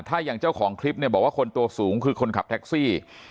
ถ้าอย่างเจ้าของคลิปเนี่ยบอกว่าคนตัวสูงคือคนขับแท็กซี่